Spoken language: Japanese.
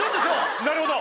なるほど！